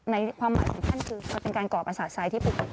ในความหมายของท่านคือมันเป็นการกรอบอาสาสไซด์ที่ภูเก็ตต่อ